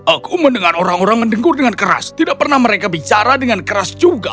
aku mendengar orang orang mendengkur dengan keras tidak pernah mereka bicara dengan keras juga